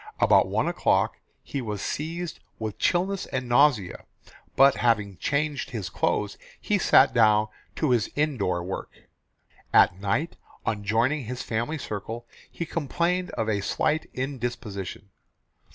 About one o'clock he was seized with chilliness and nausea, but having changed his clothes he sat down to his indoor work. At night, on joining his family circle, he complained of a slight indisposition.